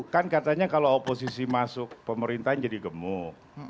kan katanya kalau oposisi masuk pemerintahan jadi gemuk